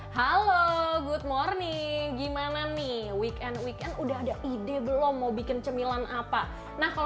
halo good morning gimana nih weekend weekend udah ada ide belum mau bikin cemilan apa nah kalau